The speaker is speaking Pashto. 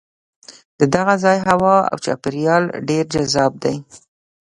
د دغه ځای هوا او چاپېریال ډېر جذاب دی.